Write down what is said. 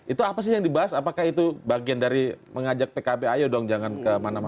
itu apa sih yang dibahas apakah itu bagian dari mengajak pkb ayo dong jangan kemana mana